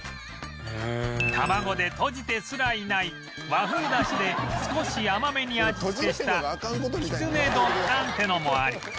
卵でとじてすらいない和風ダシで少し甘めに味付けしたきつね丼なんてのもあり